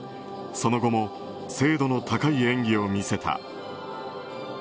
その後も精度の高い演技を見せた。